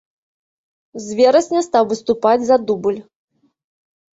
З верасня стаў выступаць за дубль.